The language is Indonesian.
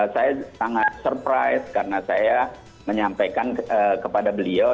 saya sangat surprise karena saya menyampaikan kepada beliau